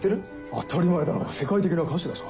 当たり前だろ世界的な歌手だぞ。